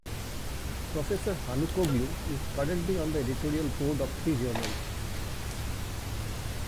Professor Hanukoglu is currently on the editorial board of three journals.